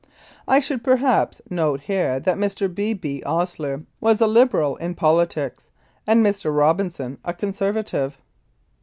I should perhaps note here that Mr. B. B. Osier was a Liberal in politics, and Mr. Robinson a Conservative.